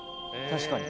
確かに。